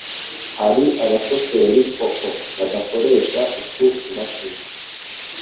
hari abashoferi koko badakoresha utu tumashini